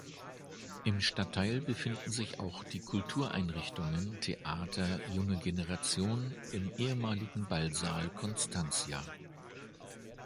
Im Stadtteil befinden sich auch die Kultureinrichtungen Theater Junge Generation im ehemaligen Ballsaal Constantia.